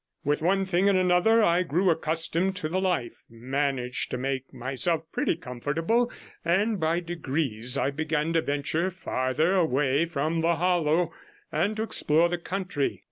With one thing and another I grew accustomed to the life, managed to make myself pretty comfortable, and by degrees I began to venture farther away from the hollow and to explore the country.